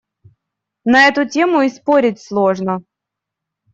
На эту тему и спорить сложно.